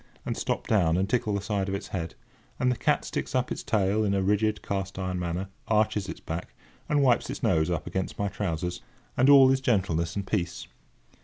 and stop down and tickle the side of its head; and the cat sticks up its tail in a rigid, cast iron manner, arches its back, and wipes its nose up against my trousers; and all is gentleness and peace.